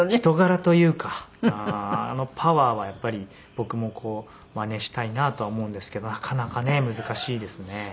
人柄というかあのパワーはやっぱり僕もマネしたいなとは思うんですけどなかなかね難しいですね。